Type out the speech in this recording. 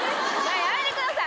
やめてください。